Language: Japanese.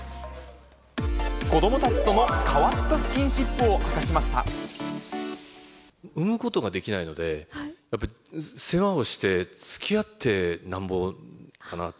子どもたちとの変わったスキ産むことができないので、やっぱり世話をしてつきあってなんぼかなと。